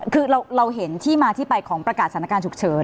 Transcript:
คือเราเห็นที่มาที่ไปของประกาศสถานการณ์ฉุกเฉิน